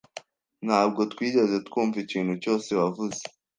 Ntabwo twigeze twumva ikintu cyose wavuze.